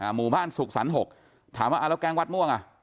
หมู่บ้านสุขสรรค๖ถามว่าเอาแล้วแก๊งวัดม่วงอ่ะ